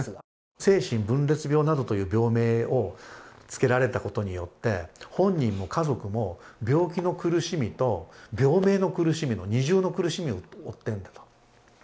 精神分裂病などという病名を付けられたことによって本人も家族も病気の苦しみと病名の苦しみの二重の苦しみを負ってるんだと。